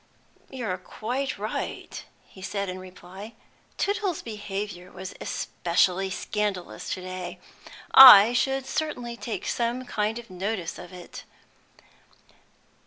"You're quite right," he said in reply. "Tootle's behaviour was especially scandalous to day. I should certainly take some kind of notice of it."